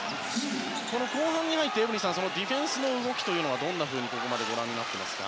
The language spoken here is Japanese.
後半に入って、ディフェンスの動きというのはどんなふうに、ここまでご覧になっていますか。